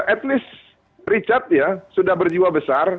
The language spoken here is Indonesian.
at least richard ya sudah berjiwa besar